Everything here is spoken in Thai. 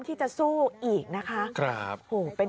ที่จะสู้อีกนะครับครับเป็น